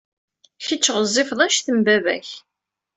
Kecc ɣezzifeḍ anect n baba-k.